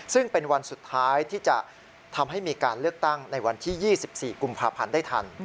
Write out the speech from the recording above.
ซึ่งเป็นวันสุดท้ายที่จะทำให้มีการเลือกตั้งในวันที่๒๔กุมภาพันธ์ได้ทัน